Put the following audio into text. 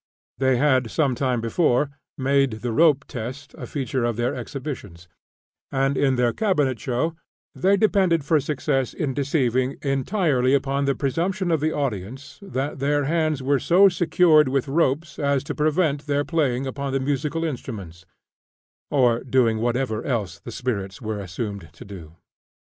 They had, some time before, made the "rope test" a feature of their exhibitions; and in their cabinet show they depended for success in deceiving entirely upon the presumption of the audience that their hands were so secured with ropes as to prevent their playing upon the musical instruments, or doing whatever else the spirits were assumed to do.